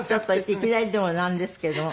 いきなりでもなんですけれども。